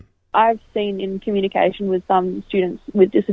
saya melihat dalam komunikasi dengan beberapa pelajar dengan kelebihan